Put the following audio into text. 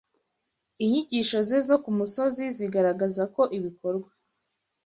Inyigisho ze zo ku musozi zigaragaza ko ibikorwa